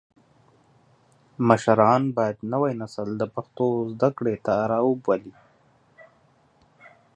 مشران باید نوی نسل د پښتو زده کړې ته راوبولي.